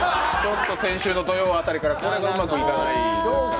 先週の土曜辺りからこれがうまくいかない。